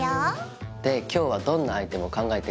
で今日はどんなアイテムを考えてくれたのかな？